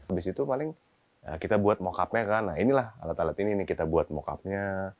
abis itu paling kita buat mock up nya kan nah inilah alat alat ini kita buat mock up nya